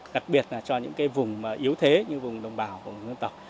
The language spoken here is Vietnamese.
đặc biệt là cho những vùng yếu thế như vùng đồng bào vùng dân tộc